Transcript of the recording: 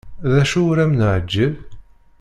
D acu ur am-neεǧib?